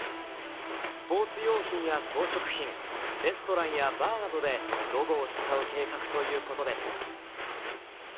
スポーツ用品や装飾品レストランやバーなどでロゴを使う計画ということです。